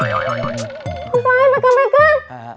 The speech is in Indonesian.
apaan ya began began